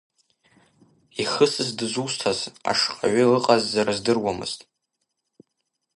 Ихысыз дызусҭаз, ашҟаҩы ыҟаз рыздыруамызт.